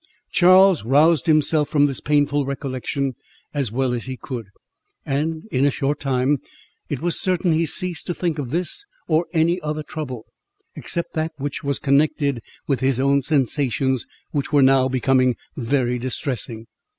Charles roused himself from this painful recollection as well as he could; and in a short time it was certain he ceased to think of this or any other trouble, except that which was connected with his own sensations, which were now become very distressing.